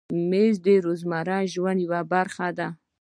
مېز د روزمره ژوند یوه برخه ده.